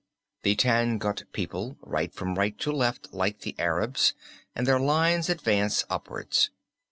The Tangut people write from right to left like the Arabs, and their lines advance upwards."